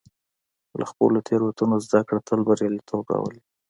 له خپلو تېروتنو زده کړه تل بریالیتوب راولي.